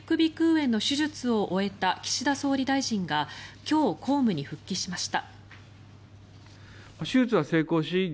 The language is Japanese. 炎の手術を終えた岸田総理大臣が今日、公務に復帰しました。